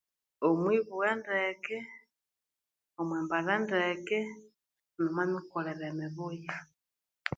Omwibugha ndeke, omwi mbalha ndeke, nomwa mikolere emibuya